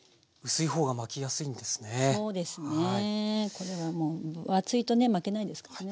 これはもう分厚いとね巻けないですからね。